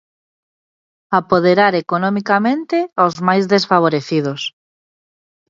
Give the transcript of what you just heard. Apoderar economicamente aos máis desfavorecidos.